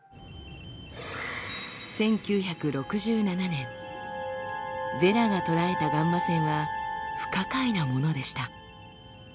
１９６７年ヴェラが捉えたガンマ線は不可解なものでした。